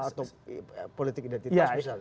atau politik identitas misalnya